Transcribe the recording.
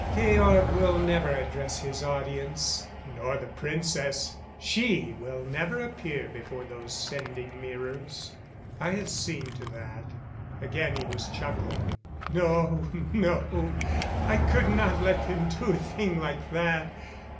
"Georg will never address his audience. Nor the Princess she will never appear before those sending mirrors. I have seen to that." Again he was chuckling. "No, no, I could not let them do a thing like that.